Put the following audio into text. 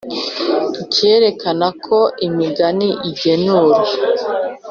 Ikerekana ko imigani igenura